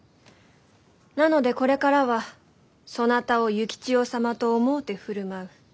なのでこれからはそなたを幸千代様と思うてふるまう。